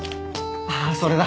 あっそれだ。